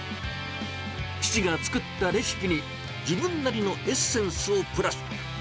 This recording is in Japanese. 父が作ったレシピに、自分なりのエッセンスをプラス。